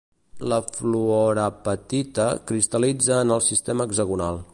La fluorapatita cristal·litza en el sistema hexagonal.